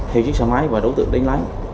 theo chiếc xe máy và đối tượng đến lái